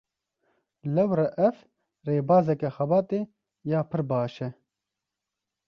Lewre ev, rêbazeke xebatê ya pir baş e